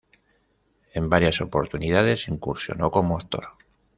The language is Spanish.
En varias oportunidades incursionó como actor.